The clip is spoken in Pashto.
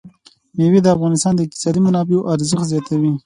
مېوې د افغانستان د اقتصادي منابعو ارزښت زیاتوي.